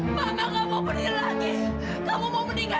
ma jangan ini minum ma buka